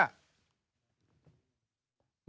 ตอนนี้